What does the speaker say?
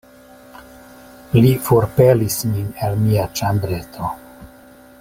Li forpelis min el mia ĉambreto...